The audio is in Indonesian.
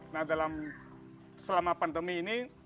nah dalam selama pandemi ini